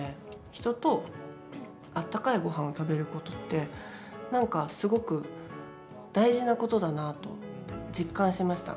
人と温かいごはんを食べることって、何かすごく大事なことだなと実感しました。